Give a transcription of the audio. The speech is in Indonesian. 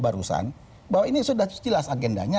barusan bahwa ini sudah jelas agendanya